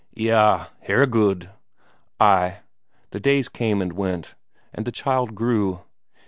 Eyah, Herregud! Ay, the days came and went, and the child grew.